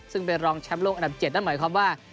ซึ่งเป็นรองแชมป์โลกอันดับ๗นั่นหมายความว่า